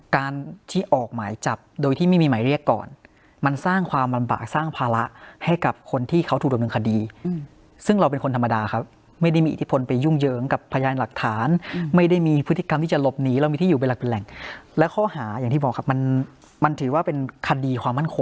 การที่ออกหมายจับโดยที่ไม่มีหมายเรียกก่อนมันสร้างความลำบากสร้างภาระให้กับคนที่เขาถูกดำเนินคดีซึ่งเราเป็นคนธรรมดาครับไม่ได้มีอิทธิพลไปยุ่งเหยิงกับพยานหลักฐานไม่ได้มีพฤติกรรมที่จะหลบหนีเรามีที่อยู่เป็นหลักเป็นแหล่งและข้อหาอย่างที่บอกครับมันมันถือว่าเป็นคดีความมั่นคง